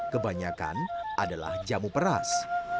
kebanyakan adalah jamu peras